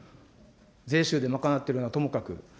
税収で賄ってるならともかく。